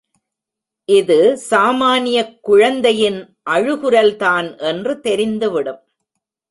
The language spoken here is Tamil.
இது சாமானியக் குழந்தையின் அழுகுரல் தான் என்று தெரிந்துவிடும்.